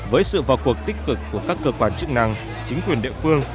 với sự vào cuộc tích cực của các cơ quan chức năng chính quyền địa phương